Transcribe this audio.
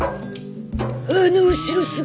あの後ろ姿。